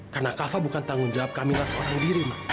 karena kava bukan tanggung jawab kamilah seorang diri ma